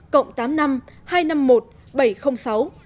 cộng tám mươi năm hai trăm năm mươi một bảy trăm linh sáu bảy trăm bốn mươi ba